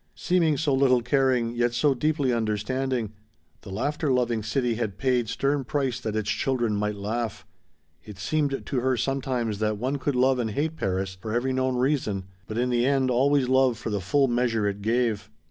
Seeming so little caring, yet so deeply understanding. The laughter loving city had paid stern price that its children might laugh. It seemed to her sometimes that one could love and hate Paris for every known reason, but in the end always love for the full measure it gave.